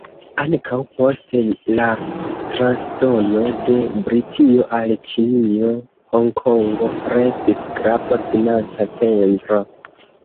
Ankaŭ post la transdono de Britio al Ĉinio, Honkongo restis grava financa centro.